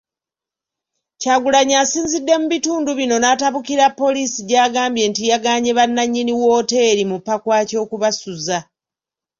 Kyagulanyi asinzidde mu bitundu bino n'atabukira poliisi gy'agambye nti yagaanye bannannyini wooteeri mu Pakwach okubasuza.